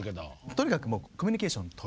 とにかくもうコミュニケーションをとる。